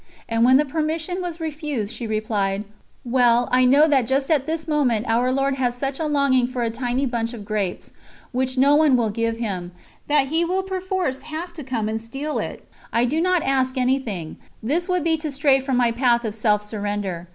And when the permission was refused, she replied: "Well, I know that just at this moment Our Lord has such a longing for a tiny bunch of grapes which no one will give Him that He will perforce have to come and steal it. ... I do not ask anything; this would be to stray from my path of self surrender.